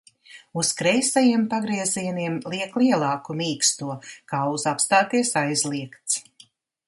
Uz kreisajiem pagriezieniem liek lielāku mīksto, kā uz apstāties aizliegts.